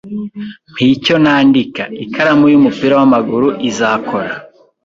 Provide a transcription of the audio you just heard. "Mpa icyo nandika." "Ikaramu y'umupira w'amaguru izakora?"